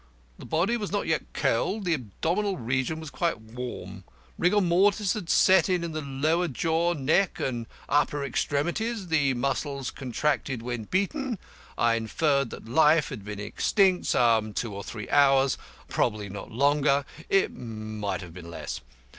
The body was not yet cold, the abdominal region being quite warm. Rigor mortis had set in in the lower jaw, neck, and upper extremities. The muscles contracted when beaten. I inferred that life had been extinct some two or three hours, probably not longer, it might have been less.